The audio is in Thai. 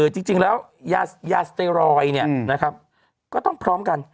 จริงจริงแล้วยายาสเตรอยเนี่ยอืมนะครับก็ต้องพร้อมกัน